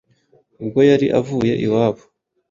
ubwo yari avuye iwabo